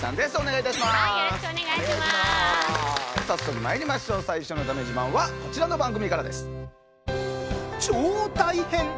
早速まいりましょう最初のだめ自慢はこちらの番組からです。